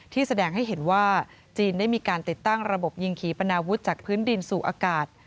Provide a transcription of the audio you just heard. แสดงให้เห็นว่าจีนได้มีการติดตั้งระบบยิงขี่ปนาวุฒิจากพื้นดินสู่อากาศ